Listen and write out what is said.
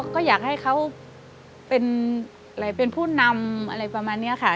ก็อยากให้เขาเป็นผู้นำอะไรประมาณนี้ค่ะ